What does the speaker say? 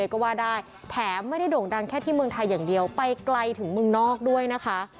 อย่างเดียวไปไกลถึงเมืองนอกด้วยนะคะ